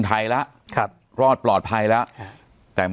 สวัสดีครับทุกผู้ชม